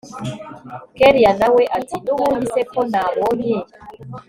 kellia nawe ati nubundi se ko nabonye